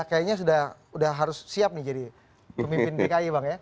kayaknya sudah harus siap nih jadi pemimpin dki bang ya